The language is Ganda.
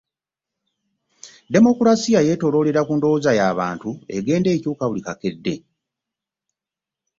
Demokulaasiya yeetooloolera ku ndowooza y’abantu egenda ekyuka buli kakedde.